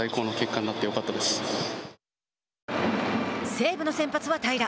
西武の先発は平良。